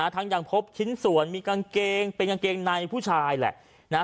ยังพบชิ้นส่วนมีกางเกงเป็นกางเกงในผู้ชายแหละ